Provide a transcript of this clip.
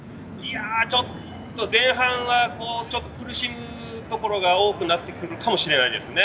前半は苦しむところが多くなってくるかもしれないですね。